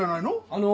あの。